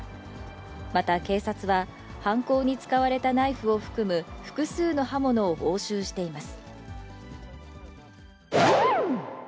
また警察は、犯行に使われたナイフを含む複数の刃物を押収しています。